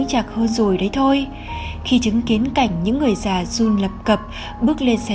chạc hơn rồi đấy thôi khi chứng kiến cảnh những người già run lập cập bước lên xe